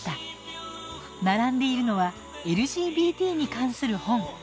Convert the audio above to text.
並んでいるのはＬＧＢＴに関する本。